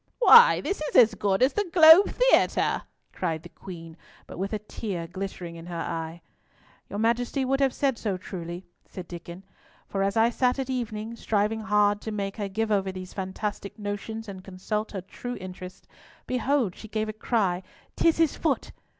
"Why, this is as good as the Globe Theatre!" cried the Queen, but with a tear glittering in her eye. "Your Majesty would have said so truly," said Diccon; "for as I sat at evening, striving hard to make her give over these fantastic notions and consult her true interest, behold she gave a cry—''Tis his foot!'